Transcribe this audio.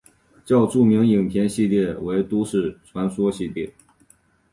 较著名的影片系列为都市传说系列。